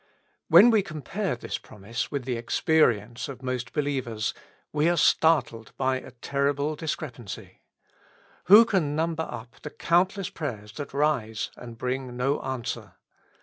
When we compare this promise with the experi ence of most believers, we are startled by a terrible discrepancy. Who can number up the countless prayers that rise and bring no answer